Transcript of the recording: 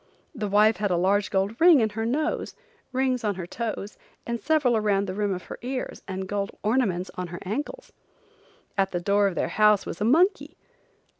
The wife had a large gold ring in her nose, rings on her toes and several around the rim of her ears, and gold ornaments on her ankles. At the door of their home was a monkey.